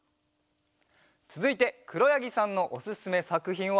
つづいてくろやぎさんのおすすめさくひんは。